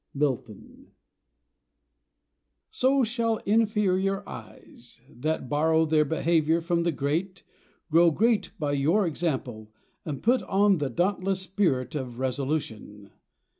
Milton So shall inferior eyes, That borrow their behaviour from the great, Grow great by your example and put on The dauntless spirit of resolution.